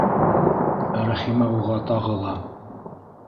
Рәхимә уға тағы ла: